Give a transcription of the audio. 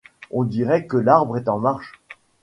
On dirait que l’arbre est en marche.